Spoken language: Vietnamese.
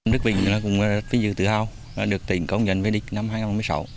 đức vĩnh cũng tự hào được tỉnh công nhận với địch năm hai nghìn một mươi sáu